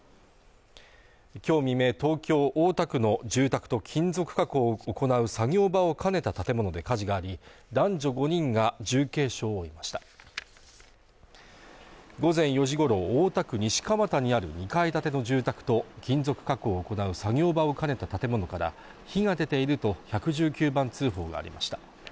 今日未明、東京・大田区の住宅と金属加工を行う作業場を兼ねた建物で火事があり男女５人が重軽傷を負いました午前４時ごろ大田区西蒲田にある２階建ての住宅と金属加工を行う作業場を兼ねた建物から火が出ていると１１９番通報がありました